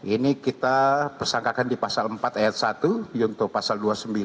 ini kita persangkakan di pasal empat ayat satu yunto pasal dua puluh sembilan